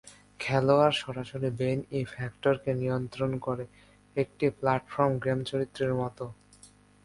খেলোয়াড় সরাসরি বেন ই. ফ্যাক্টরকে নিয়ন্ত্রণ করে, একটি প্ল্যাটফর্ম গেম চরিত্রের মত।